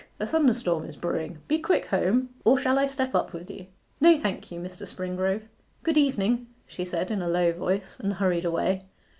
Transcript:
a thunderstorm is brewing be quick home. Or shall I step up with you?' 'No, thank you, Mr. Springrove. Good evening,' she said in a low voice, and hurried away.